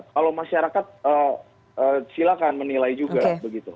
kalau masyarakat silakan menilai juga begitu